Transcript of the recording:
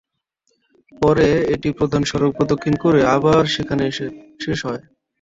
পরে এটি প্রধান সড়ক প্রদক্ষিণ করে আবার সেখানে এসে শেষ হয়।